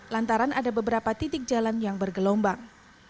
lantaran ada beberapa titik jalan yang bergelombang